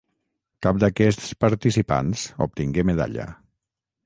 Cap d'aquests participants obtingué medalla.